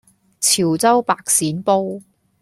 潮州白鱔煲